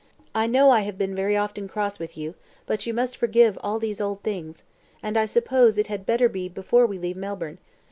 I know I have been very often cross with you, but you must forgive all these old things; and I suppose it had better be before we leave Melbourne.